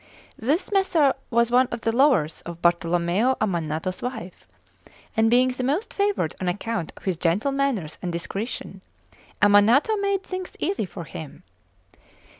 This Messer…. was one of the lovers of Bartolommeo Ammanato's wife; and being the most favoured on account of his gentle manners and discretion, Ammanato made things easy for him.